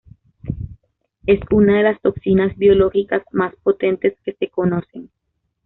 Es una de las toxinas biológicas más potentes que se conocen.